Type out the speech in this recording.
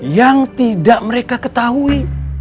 yang tidak mereka ketahui